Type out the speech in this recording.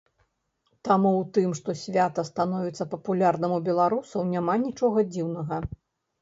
Таму ў тым, што свята становіцца папулярным у беларусаў, няма нічога дзіўнага.